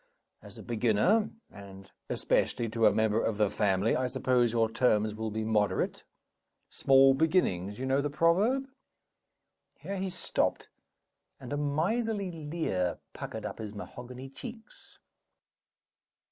As a beginner, and especially to a member of the family, I suppose your terms will be moderate. Small beginnings you know the proverb?" Here he stopped; and a miserly leer puckered up his mahogany cheeks.